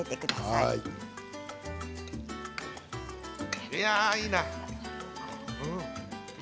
いやあ、いいな。